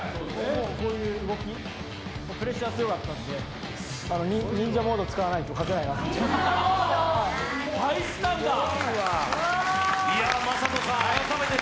こういう動き、プレッシャー強かったんで、忍者モード使わないと勝てないなと思って。